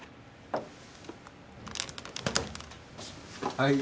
はい。